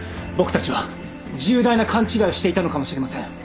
僕たちは重大な勘違いをしていたのかもしれません。